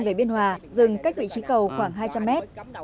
về biên hòa dừng cách vị trí cầu khoảng hai trăm linh mét